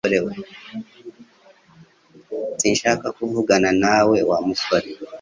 Sinshaka kuvugana nawe Wa musore